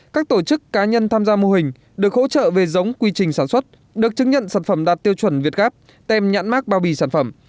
các tổ chức cá nhân tham gia mô hình được hỗ trợ về giống quy trình sản xuất được chứng nhận sản phẩm đạt tiêu chuẩn việt gáp tem nhãn mát bao bì sản phẩm